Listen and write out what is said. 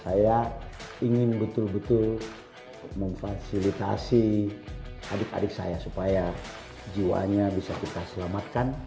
saya ingin betul betul memfasilitasi adik adik saya supaya jiwanya bisa kita selamatkan